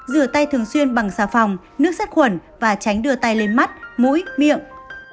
rửa tay thường xuyên bằng xà phòng nước sạch nước sạch nước sạch nước sạch nước sạch